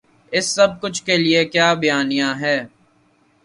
اس سب کچھ کے لیے کیا بیانیہ ہے۔